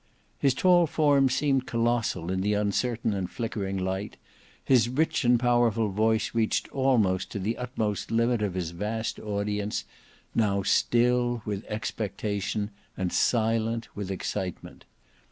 His tall form seemed colossal in the uncertain and flickering light, his rich and powerful voice reached almost to the utmost limit of his vast audience, now still with expectation and silent with excitement.